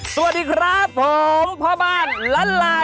สวัสดีครับผมพ่อบ้านล้านลา